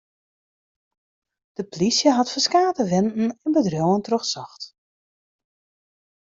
De polysje hat ferskate wenten en bedriuwen trochsocht.